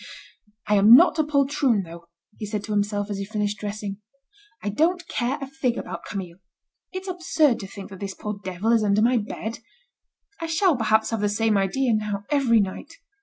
"I am not a poltroon though," he said to himself as he finished dressing. "I don't care a fig about Camille. It's absurd to think that this poor devil is under my bed. I shall, perhaps, have the same idea, now, every night.